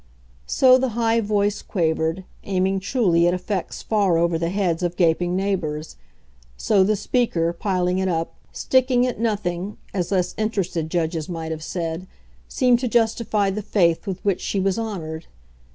So the high voice quavered, aiming truly at effects far over the heads of gaping neighbours; so the speaker, piling it up, sticking at nothing, as less interested judges might have said, seemed to justify the faith with which she was honoured.